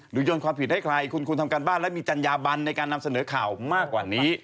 โยนความผิดให้ใครคุณทำการบ้านและมีจัญญาบันในการนำเสนอข่าวมากกว่านี้